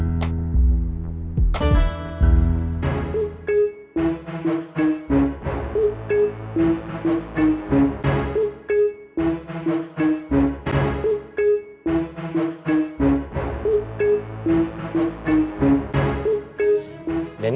udah naik angkot mau kesini